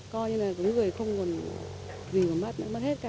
coi như là những người không còn gì mà mất mất hết cả